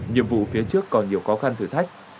nhiệm vụ phía trước còn nhiều khó khăn thử thách